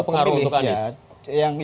itu pengaruh untuk andis